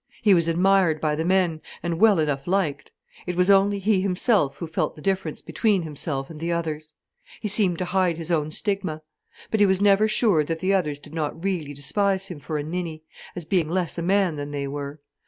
He was admired by the men, and well enough liked. It was only he himself who felt the difference between himself and the others. He seemed to hide his own stigma. But he was never sure that the others did not really despise him for a ninny, as being less a man than they were.